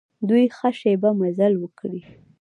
دوی ښه شېبه مزل وکړ.